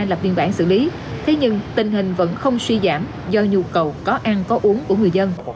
lập biên bản xử lý thế nhưng tình hình vẫn không suy giảm do nhu cầu có ăn có uống của người dân